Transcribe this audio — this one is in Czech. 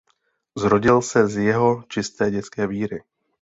Zrodil se z jeho čisté dětské víry.